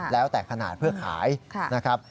แล้วแต่ขนาดเพื่อขายนะครับ